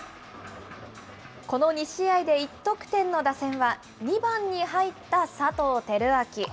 この２試合で１得点の打線は、２番に入った佐藤輝明。